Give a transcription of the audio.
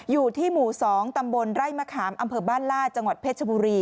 อยู่ที่หมู่๒ตำบลไร่มะขามอำเภอบ้านลาดจังหวัดเพชรบุรี